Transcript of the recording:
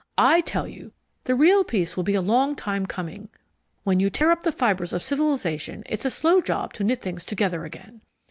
I tell you, the real Peace will be a long time coming. When you tear up all the fibres of civilization it's a slow job to knit things together again.